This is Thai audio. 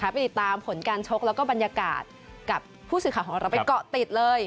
ไปติดตามผลการชกแล้วก็บรรยากาศกับผู้สื่อข่าวของเราไปเกาะติดเลย